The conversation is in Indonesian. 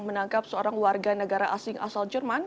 menangkap seorang warga negara asing asal jerman